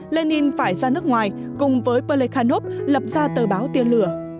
lenin phải ra nước ngoài cùng với pelekhanov lập ra tờ báo tiên lửa